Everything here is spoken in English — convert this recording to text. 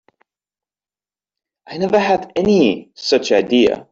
I never had any such idea.